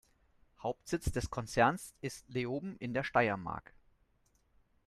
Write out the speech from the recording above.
Hauptsitz des Konzerns ist Leoben in der Steiermark.